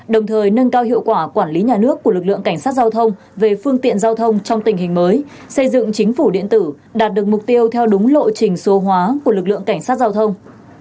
đồng thời nâng cao hiệu quả quản lý nhà nước của lực lượng cảnh sát giao thông về phương tiện giao thông trong tình hình mới xây dựng chính phủ điện tử đạt được mục tiêu theo đúng lộ trình số hóa của lực lượng cảnh sát giao thông